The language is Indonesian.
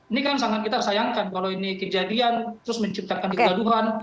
ini kan sangat kita sayangkan kalau ini kejadian terus menciptakan kegaduhan